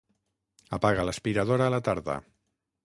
Apaga l'aspiradora a la tarda.